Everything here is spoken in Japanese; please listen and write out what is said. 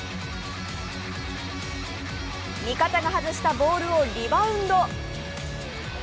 味方が外したボールをリバウンド。